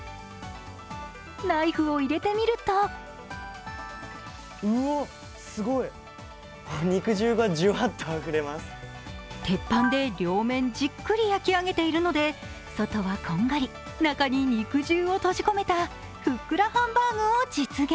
ナイフを入れてみると鉄板で両面じっくり焼き上げているので、外はこんがり、中に肉汁を閉じ込めたふっくらハンバーグを実現。